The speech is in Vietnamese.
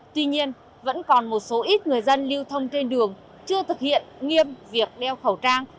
tuy nhiên vẫn còn một số ít người dân lưu thông trên đường chưa thực hiện nghiêm việc đeo khẩu trang